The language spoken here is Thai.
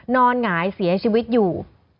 หงายเสียชีวิตอยู่